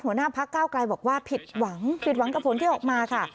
หัวหน้าพักเก้าไกลบอกว่าผิดหวังผิดหวังกับผลที่ออกมาค่ะ